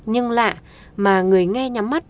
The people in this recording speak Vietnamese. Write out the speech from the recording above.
nhưng lạ mà người nghe nhắm mắt